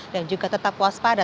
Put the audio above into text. dan juga tetap waspada